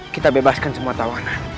kita bebaskan semua tahanan